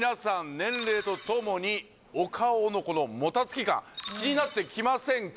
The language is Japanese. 年齢とともにお顔のこのもたつき感気になってきませんか？